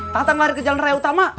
tangan tangan lari ke jalan raya utama